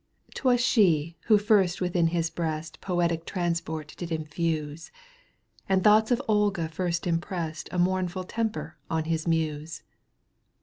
Twas she who first within his breast Poetic transport did infuse, And thoughts of Olga first impressed A mournful temper on his Muse.